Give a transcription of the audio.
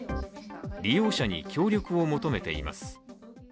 利用者に協力を求めています。